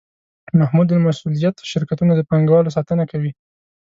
محدودالمسوولیت شرکتونه د پانګوالو ساتنه کوي.